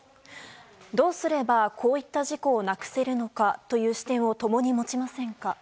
「どうすればこういった事故を無くせるのかという視点を共に持ちませんか」。